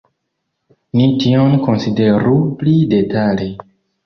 Ni tion konsideru pli detale.